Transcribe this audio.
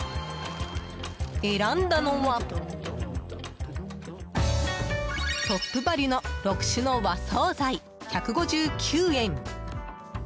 選んだのはトップバリュの６種の和惣菜１５９円。